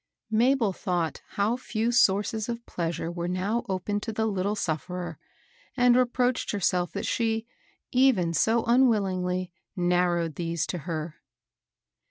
" Mabel thought how few sources of pleasure were now open to the little sufferer, and reproached herself that she, even so unwillingly, narrowed these to her.